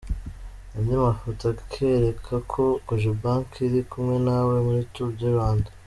Andi mafoto akwereka ko Cogebanque iri kumwe nawe muri Tour du Rwanda.